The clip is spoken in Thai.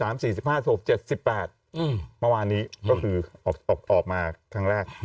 เมื่อวานนี้ก็คือออกมาครั้งแรก